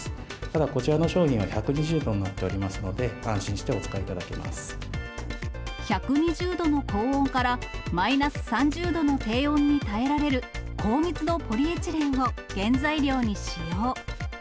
ただこちらの商品は１２０度になっておりますので、安心してお使１２０度の高温から、マイナス３０度の低温に耐えられる、高密度ポリエチレンを原材料に使用。